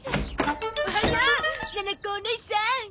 おはようななこおねいさん！